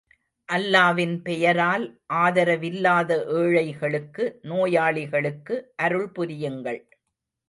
அல்லாவின் பெயரால் ஆதரவில்லாத ஏழைகளுக்கு, நோயாளிகளுக்கு அருள் புரியுங்கள்!